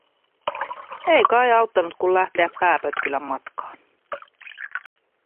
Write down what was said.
Ei kai auttanut, kun lähteä pääpötkylän matkaan.